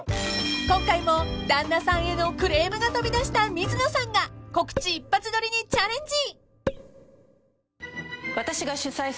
［今回も旦那さんへのクレームが飛び出した水野さんが告知一発撮りにチャレンジ］